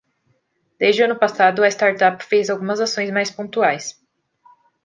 Desde o ano passado a startup fez algumas ações mais pontuais